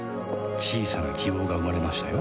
小さな希望が生まれましたよ